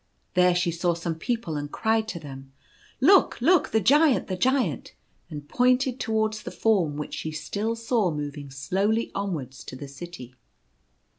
There she saw some people, and cried to them, iC Look ! look ! the Giant, the Giant !" and pointed towards the Form which she still saw moving slowly onwards to the city.